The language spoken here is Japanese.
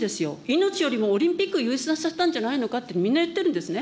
命よりもオリンピック優先させたんじゃないのかってみんな言ってるんですね。